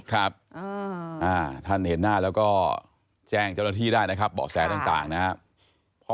ครับท่านเห็นหน้าแล้วก็แจ้งเจ้าหน้าที่ได้นะครับเบาะแสต่างนะครับ